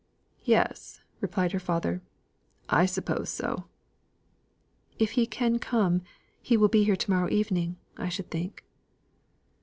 "Yes," replied her father. "I suppose so." "If he can come, he will be here to morrow evening, I should think."